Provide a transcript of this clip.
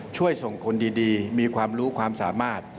ช่วยส่งคนดีมีความรู้ความสามารถ